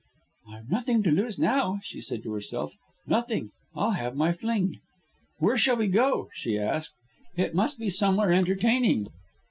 "I've nothing to lose now," she said to herself. "Nothing! I'll have my fling." "Where shall we go?" she asked. "It must be somewhere entertaining."